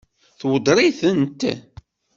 Tweddeṛ-itent?